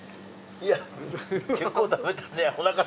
いや結構食べたんで。